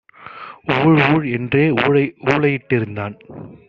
ஊழ் ஊழ் என்றே ஊளையிட் டிருந்தான்.